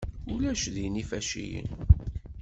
Ulac din d ifaciyen.